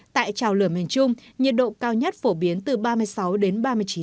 tại trào lửa miền trung nhiệt độ cao nhất phổ biến từ ba mươi sáu đến ba mươi tám độ ở đông bắc bộ